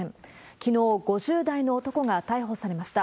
きのう、５０代の男が逮捕されました。